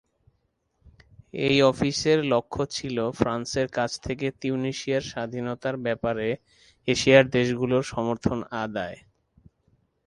এই অফিসের লক্ষ্য ছিল, ফ্রান্সের কাছ থেকে, তিউনিসিয়ার স্বাধীনতার ব্যাপারে এশিয়ার দেশগুলোর সমর্থন আদায়।